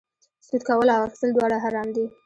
سود کول او اخیستل دواړه حرام دي